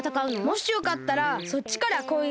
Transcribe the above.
もしよかったらそっちからこうげきどうぞ！